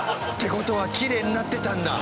事はきれいになってたんだ！